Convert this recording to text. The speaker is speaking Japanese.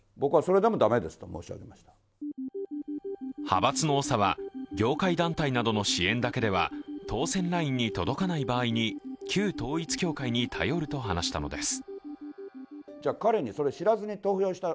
派閥の長は業界団体などの支援だけでは当選ラインに届かない場合に旧統一教会に頼ると話したのです。